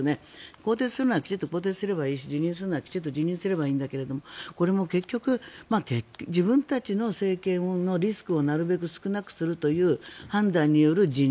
更迭するなら更迭すればいいし辞任するなら辞任すればいいけどこれも結局自分たちの政権のリスクをなるべく少なくするという判断による辞任。